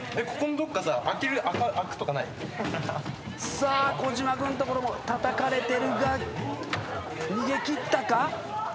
さあ小島君のところもたたかれてるが逃げ切ったか？